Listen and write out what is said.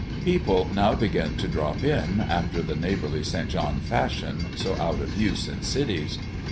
People now began to drop in, after the neighborly St. John fashion so out of use in cities.